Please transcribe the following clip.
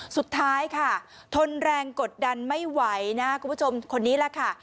สุดท้ายค่ะทนแรงกดดันไม่ไหวนะคุณผู้ชมคนนี้แหละค่ะ